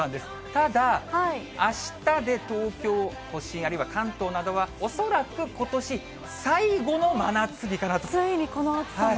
ただ、あしたで東京都心あるいは関東などは、恐らくことし最後の真夏日ついにこの暑さも。